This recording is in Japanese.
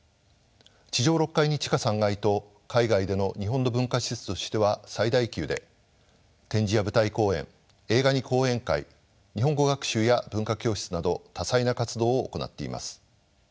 地上６階に地下３階と海外での日本の文化施設としては最大級で展示や舞台公演映画に講演会日本語学習や文化教室など多彩な活動を行っています。